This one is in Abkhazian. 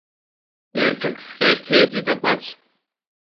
Еиҿыҟьҟьа иҭеиҵеит акәац.